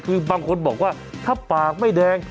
คือบางคนบอกว่าถ้าปากไม่แดง